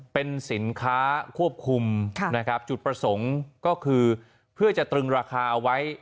เป็นสินค้าควบคุมนะครับจุดประสงค์ก็คือเพื่อจะตรึงราคาเอาไว้